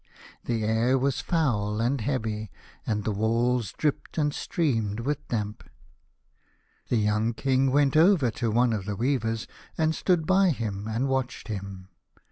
The air was foul and heavy, and the walls dripped and streamed with damp. The young King went over to one of the weavers, and stood by him and watched him.